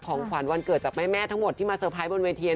ของขวัญวันเกิดจากแม่ทั้งหมดที่มาเซอร์ไพรส์บนเวที